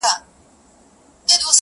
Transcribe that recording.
راځه د ژوند په چل دي پوه کړمه زه~